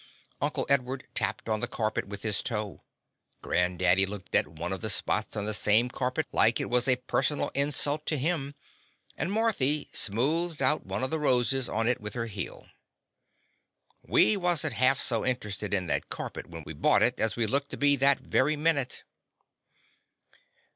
Uncle Edward tapped on the carpet with his toe, grand daddy looked at one of the spots on the same carpet like it was a personal insult to him, and Marthy smoothed out one of the roses on it with her heel. We was n't half so interested in that carpet when we bought it as we looked to be that very minute.